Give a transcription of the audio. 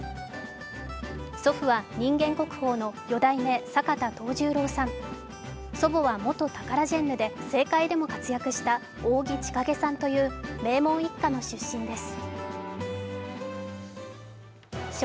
祖父は人間国宝の四代目坂田藤十郎、祖母は元タカラジェンヌで政界でも活躍した扇千景さんという名門一家の出身です。